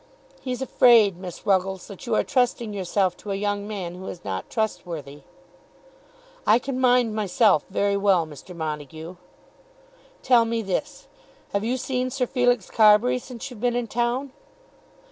"He's afraid, Miss Ruggles, that you are trusting yourself to a young man who is not trustworthy." "I can mind myself very well, Mr. Montague." "Tell me this. Have you seen Sir Felix Carbury since you've been in town?"